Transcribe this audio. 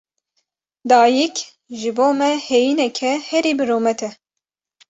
Dayîk, ji bo me heyîneke herî birûmet e.